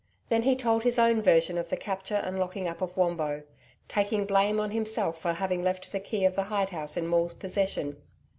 Then he told his own version of the capture and locking up of Wombo, taking blame on himself for having left the key of the hide house in Maule's possession.